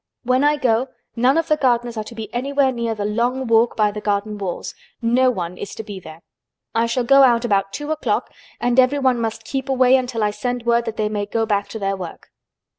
When I go, none of the gardeners are to be anywhere near the Long Walk by the garden walls. No one is to be there. I shall go out about two o'clock and everyone must keep away until I send word that they may go back to their work."